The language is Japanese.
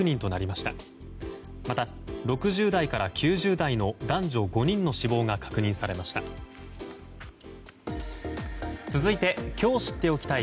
また６０代から９０代の男女５人の死亡が確認されました。